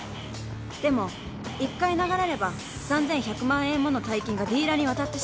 でも１回流れれば３，１００万円もの大金がディーラーに渡ってしまいます。